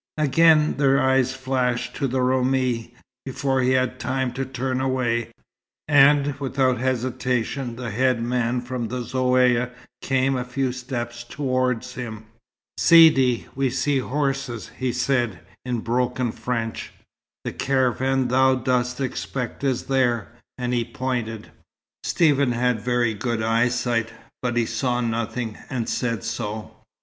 Again, their eyes flashed to the Roumi, before he had time to turn away, and without hesitation the head man from the Zaouïa came a few steps towards him. "Sidi, we see horses," he said, in broken French. "The caravan thou dost expect is there," and he pointed. Stephen had very good eyesight, but he saw nothing, and said so.